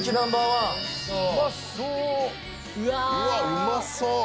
うまそう。